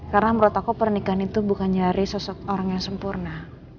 karena menurut aku pernikahan itu bukan nyari sosok orang yang sempurna